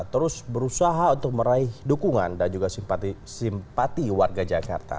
terus berusaha untuk meraih dukungan dan juga simpati warga jakarta